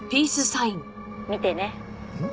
「見てね」ん？